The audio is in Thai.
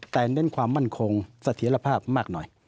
แต่เน้นความมั่นคงเสถียรภาพมากหน่อย